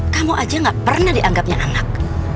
kamu aja gak pernah dianggapnya anak